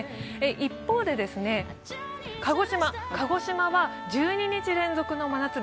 一方で、鹿児島は１２日連続の真夏日。